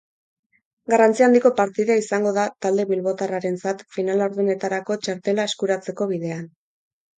Garrantzi handiko partida izango da talde bilbotarrarentzat final-laurdenetarako txartela eskuratzeko bidean.